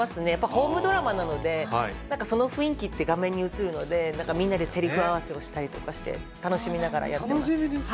ホームドラマなので、なんかその雰囲気って、画面に映るので、なんかみんなでせりふ合わせをしたりして、楽しみながらやってお楽しみです。